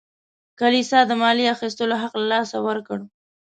کلیسا د مالیې اخیستلو حق له لاسه ورکړ.